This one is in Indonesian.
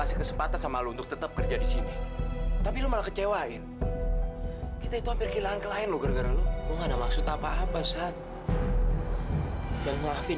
sampai jumpa di video selanjutnya